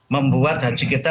membuat haji kita